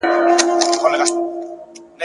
رسنۍ د خلکو فکر بدلوي.